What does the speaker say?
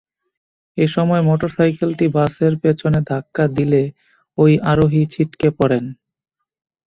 এ সময় মোটরসাইকেলটি বাসের পেছনে ধাক্কা দিলে ওই আরোহী ছিটকে পড়েন।